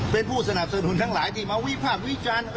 เป็นผู้สนับสนุนทั้งหลายที่มาวิภาควิจารณ์